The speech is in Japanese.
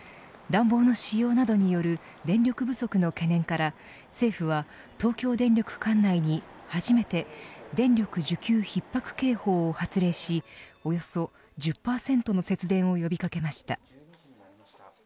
暖房の使用などによる電力不足の懸念から政府は、東京電力管内に初めて電力需給ひっ迫警報を発令しおよそ１０％の節電を呼び掛けました。